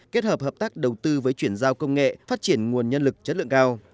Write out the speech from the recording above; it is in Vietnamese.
kết hợp hợp tác đầu tư với chuyển giao công nghệ phát triển nguồn nhân lực chất lượng cao